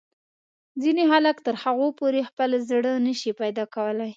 ځینې خلک تر هغو پورې خپل زړه نه شي پیدا کولای.